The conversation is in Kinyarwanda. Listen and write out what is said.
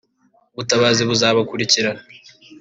ubutabera buzabakurikirana